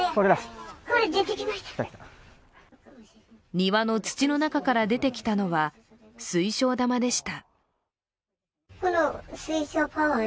庭の土の中から出てきたのは水晶玉でした。